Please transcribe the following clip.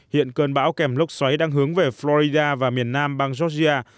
hiện cơn bão kèm lốc xoáy đang hướng về florida và miền nam bang georgia